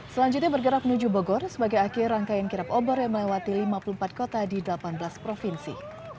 selanjutnya bergerak menuju bogor sebagai akhir rangkaian kirap obor yang melewati lima puluh empat kota di delapan belas provinsi